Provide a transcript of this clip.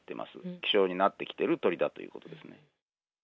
希少になってきている鳥だということです。